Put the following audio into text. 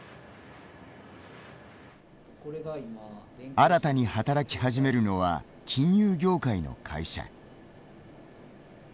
新たに働き始めるのは金融業界の会社。